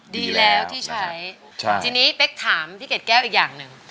ดีแล้วที่ใช้ทีนี้เป๊กถามพี่เกดแก้วอีกอย่างหนึ่ง